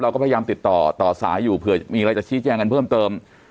พยายามติดต่อต่อสายอยู่เผื่อมีอะไรจะชี้แจ้งกันเพิ่มเติม